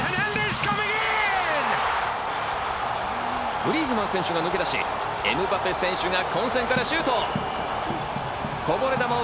グリーズマン選手が抜け出し、エムバペ選手が混戦からシュート！